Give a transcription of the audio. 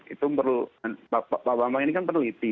itu perlu pak bambang ini kan peneliti